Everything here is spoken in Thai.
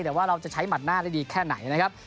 แต่ว่าเราจะใช้หัดหน้าได้ดีแค่ไหนนะครับ